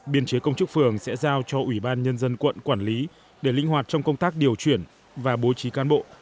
biên chế công chức phường sẽ giao cho ủy ban nhân dân quận quản lý để linh hoạt trong công tác điều chuyển và bố trí cán bộ